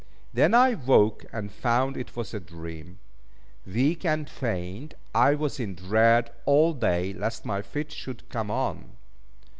Then I woke, and found it was a dream. Weak and faint, I was in dread all day lest my fit should come on.